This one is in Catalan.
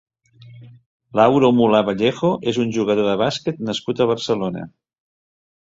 Lauro Mulà Vallejo és un jugador de bàsquet nascut a Barcelona.